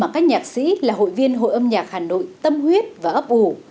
các nhạc sĩ là hội viên hội âm nhạc hà nội tâm huyết và ấp ủ